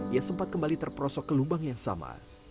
ia sempat kembali terperosok ke lubang yang sama